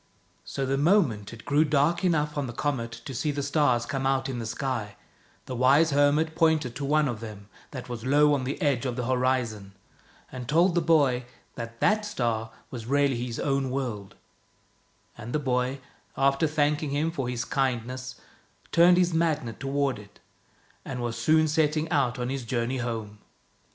So the moment it grew dark enough on the comet to see the stars come out in the sky, the wise hermit pointed to one of them that was low on the edge of the horizon, and told the boy that that star was really his own world; and the boy, after thanking him for his kindness, turned his Magnet toward it, and was soon setting out on his journey home.